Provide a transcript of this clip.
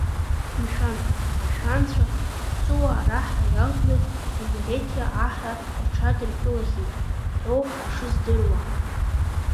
Мшәан, ашәанцәа аԥсуаа раҳра иалҵны Имереҭиа аҳра рҽадыркылахьеит ҳәоуп ишыздыруа!